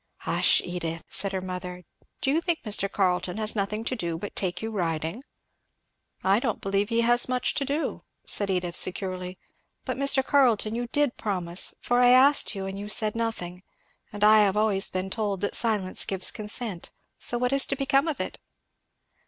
"Hush, Edith!" said her mother; "do you think Mr. Carleton has nothing to do but to take you riding?" "I don't believe he has much to do," said Edith securely. "But Mr. Carleton, you did promise, for I asked you and you said nothing; and I always have been told that silence gives consent; so what is to become of it?"